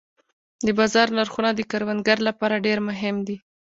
د بازار نرخونه د کروندګر لپاره ډېر مهم دي.